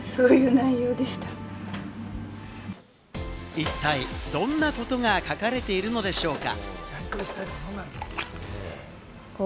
一体、どんなことが書かれているのでしょうか？